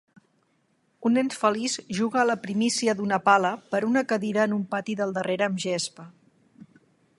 Un nen feliç jugar a la primícia d'una pala per una cadira en un pati del darrere amb gespa.